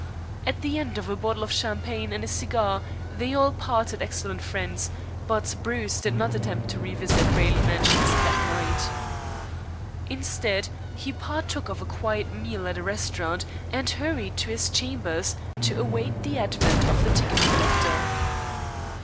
At the end of a bottle of champagne and a cigar they all parted excellent friends, but Bruce did not attempt to revisit Raleigh Mansions that night. Instead, he partook of a quiet meal at a restaurant, and hurried to his chambers to await the advent of the ticket collector.